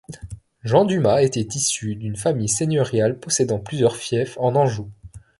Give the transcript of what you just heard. Jean du Mas était issu d'une famille seigneuriale possédant plusieurs fiefs en Anjou.